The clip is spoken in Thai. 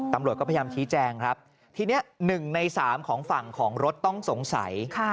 ตำรวจก็พยายามชี้แจงครับทีนี้๑ใน๓ของฝั่งของรถต้องสงสัย